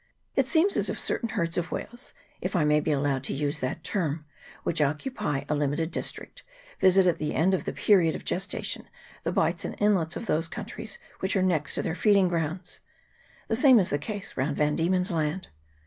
It seems as if certain herds of whales, if I may be allowed to use that term, which occupy a limited district, visit at the end of the period of gestation the bights and inlets of those countries which are next to their feeding grounds: the same is the case round Van Diemen's Land.